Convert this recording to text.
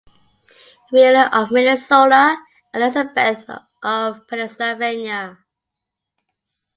Wheeler of Minnesota and Elisabeth of Pennsylvania.